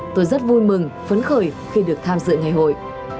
tôi rất vui mừng phấn khởi khi được tham dự ngày hội